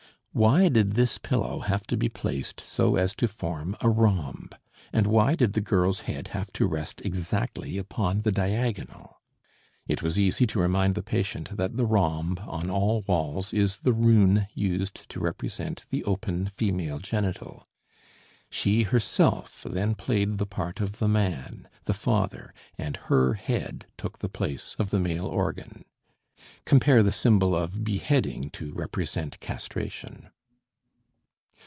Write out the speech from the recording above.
Why did this pillow have to be placed so as to form a rhomb; and why did the girl's head have to rest exactly upon the diagonal? It was easy to remind the patient that the rhomb on all walls is the rune used to represent the open female genital. She herself then played the part of the man, the father, and her head took the place of the male organ. (Cf. the symbol of beheading to represent castration.)